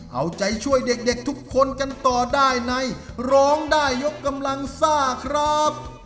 เอาใจช่วยเด็กทุกคนกันต่อได้ในร้องได้ยกกำลังซ่าครับ